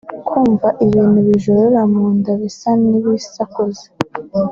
kumva ibintu bijorora munda bisa n’ibisakuza